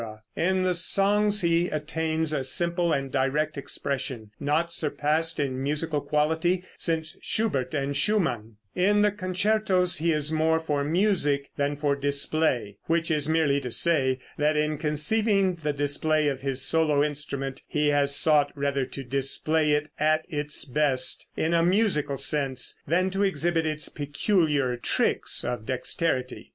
In the songs he attains a simple and direct expression, not surpassed in musical quality since Schubert and Schumann; in the concertos he is more for music than for display, which is merely to say that in conceiving the display of his solo instrument, he has sought rather to display it at its best in a musical sense than to exhibit its peculiar tricks of dexterity.